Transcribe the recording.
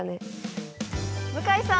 向井さん